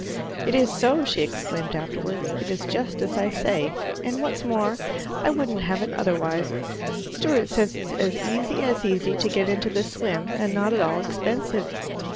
"It is so," she exclaimed afterwards. "It is just as I say; and what's more, I wouldn't have it otherwise; Stewart says it's as easy as easy to get into the swim, and not at all expensive."